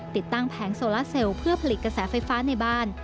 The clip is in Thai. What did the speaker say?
ติดตั้งแผงโซลาเซลเพื่อผลิตกระแสไฟฟ้าในบ้าน